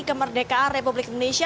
kemerdekaan republik indonesia tanggal